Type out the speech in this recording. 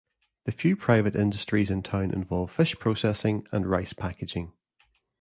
The few private industries in town involve fish processing and rice packaging.